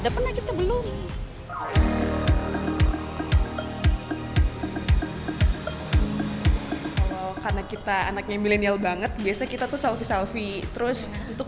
karena kita anaknya milenial banget biasa kita tuh selfie selfie terus untuk